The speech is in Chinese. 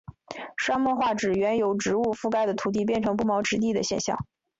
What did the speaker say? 沙漠化指原由植物覆盖的土地变成不毛之地的现象。